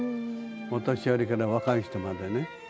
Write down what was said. お年寄りから若い人までね。